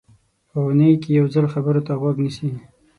په اوونۍ کې یو ځل خبرو ته غوږ نیسي.